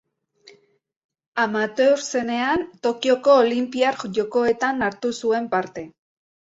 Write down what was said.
Amateur zenean, Tokioko Olinpiar Jokoetan hartu zuen parte.